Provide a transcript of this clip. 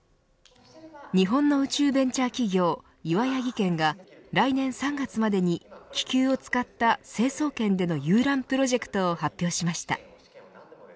日本の宇宙ベンチャー企業岩谷技研が来年３月までに気球を使った成層圏での遊覧プロジェクトを発表しました。